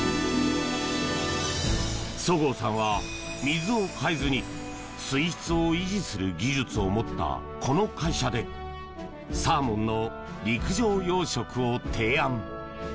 十河さんは、水を替えずに水質を維持する技術を持ったこの会社でサーモンの陸上養殖を提案。